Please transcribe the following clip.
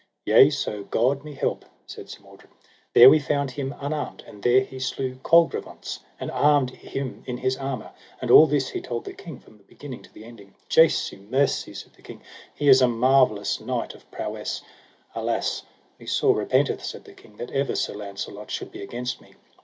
Yea, so God me help, said Sir Mordred, there we found him unarmed, and there he slew Colgrevance, and armed him in his armour; and all this he told the king from the beginning to the ending. Jesu mercy, said the king, he is a marvellous knight of prowess. Alas, me sore repenteth, said the king, that ever Sir Launcelot should be against me.